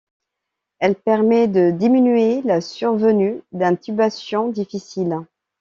Elle permet de diminuer la survenue d'intubation difficile.